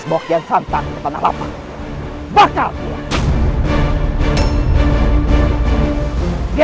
biar aku sendiri yang bakarnya